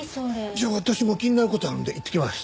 じゃあ私も気になる事あるので行ってきます。